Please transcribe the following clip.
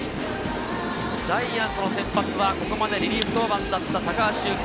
ジャイアンツの先発はここまでリリーフ登板だった高橋優貴。